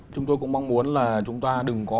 chúng tôi cũng mong muốn là chúng ta đừng có